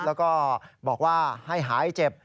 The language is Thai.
แล้วก็บอกว่าให้หายเจ็บ